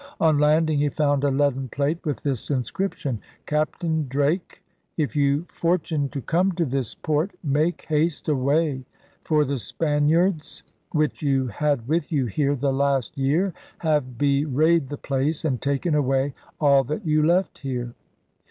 On landing he found a leaden plate with this inscription: 'Captain Drake! If you fortune to come to this Port, make hast away! For the Spaniards which you had with you here, the last year, have be wrayed the place and taken away all that you left here.